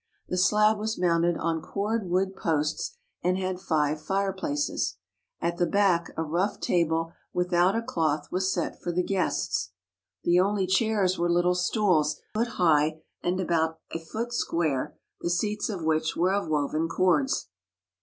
The slab was mounted on cord wood posts and had five fireplaces. At the back a rough table without a cloth was set for the guests. The only chairs were lit 113 THE HOLY LAND AND SYRIA tie stools a foot high and about a foot square the seats of which were of woven cords.